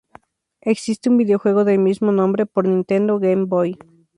Existe un videojuego del mismo nombre para Nintendo Game Boy.